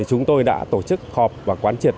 chúng tôi đã tổ chức họp và quán triệt